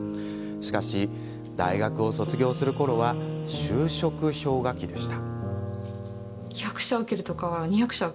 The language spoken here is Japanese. しかし、大学を卒業するころは就職氷河期でした。